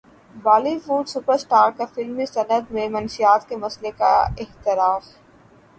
بولی would superstar کا فلمی صنعت میں منشیات کے مسئلے کا اعتراف